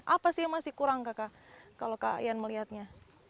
apa sih yang masih kurang kakak kalau kak ian melihatnya